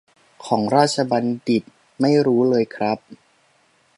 ของราชบัณฑิตไม่รู้เลยครับ